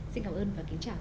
xin cảm ơn và kính chào